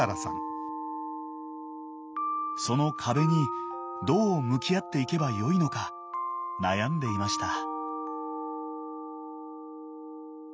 その壁にどう向き合っていけばよいのか悩んでいました。